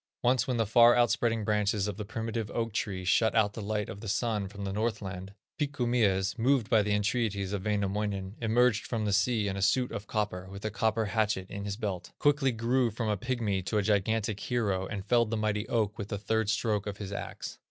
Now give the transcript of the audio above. Once when the far outspreading branches of the primitive oak tree shut out the light of the sun from Northland, Pikku Mies, moved by the entreaties of Wainamoinen, emerged from the sea in a suit of copper, with a copper hatchet in his belt, quickly grew from a pigmy to a gigantic hero, and felled the mighty oak with the third stroke of his axe.